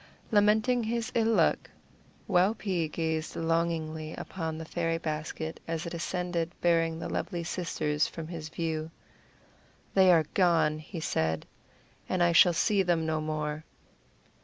Lamenting his ill luck, Waupee gazed longingly upon the fairy basket as it ascended bearing the lovely sisters from his view. "They are gone," he said, "and I shall see them no more."